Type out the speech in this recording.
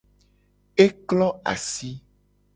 E klo asi.